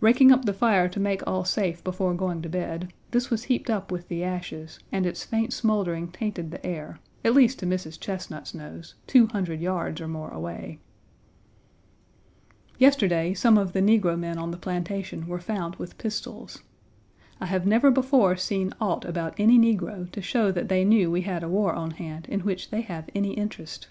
Raking up the fire to make all safe before going to bed, this was heaped up with the ashes, and its faint smoldering tainted the air, at least to Mrs. Chesnut's nose, two hundred yards or more away. Yesterday some of the negro men on the plantation were found with pistols. I have never before seen aught about any negro to show that they knew we had a war on hand in which they have any interest.